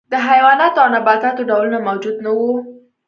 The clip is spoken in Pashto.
د حیواناتو او نباتاتو ډولونه موجود نه وو.